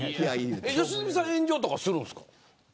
良純さん炎上とかするんですか。